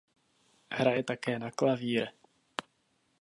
Hraje také na klavír.